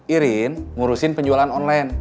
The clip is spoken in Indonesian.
irin ngurusin penjualan online